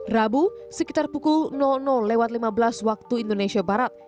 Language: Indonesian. rabu sekitar pukul lima belas waktu indonesia barat